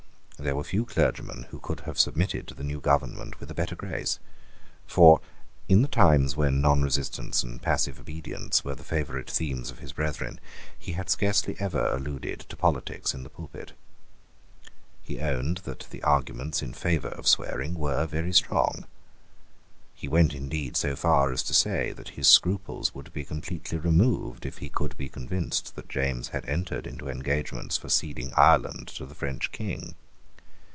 There were few clergymen who could have submitted to the new government with a better grace. For, in the times when nonresistance and passive obedience were the favourite themes of his brethren, he had scarcely ever alluded to politics in the pulpit. He owned that the arguments in favour of swearing were very strong. He went indeed so far as to say that his scruples would be completely removed if he could be convinced that James had entered into engagements for ceding Ireland to the French King.